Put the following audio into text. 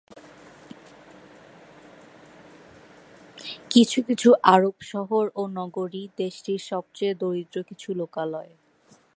কিছু কিছু আরব শহর ও নগরী দেশটির সবচেয়ে দরিদ্র কিছু লোকালয়।